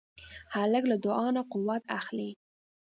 هلک له دعا نه قوت اخلي.